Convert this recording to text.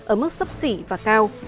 ở mức sấp xỉ và cao